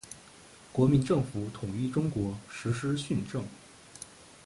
国民政府统一中国，实施训政。